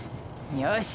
よし！